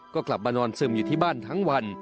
ก็กลับมานอนซึมอยู่ที่บ้านทั้งวัน